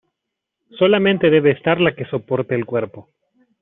Solamente debe estar la que soporte el cuerpo.